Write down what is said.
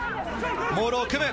モールを組む！